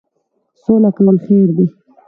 سوله کول خیر دی.